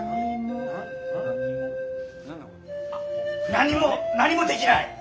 何も何もできない！